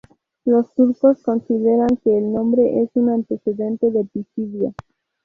Los turcos consideran que el nombre es un antecedente de Pisidia.